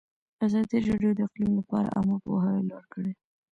ازادي راډیو د اقلیم لپاره عامه پوهاوي لوړ کړی.